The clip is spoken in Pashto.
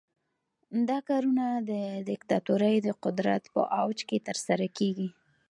دا کارونه د دیکتاتورۍ د قدرت په اوج کې ترسره کیږي.